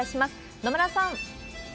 野村さん。